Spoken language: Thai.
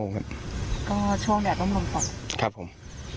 ก็ช่วงแดดล้มลมฝักครับผม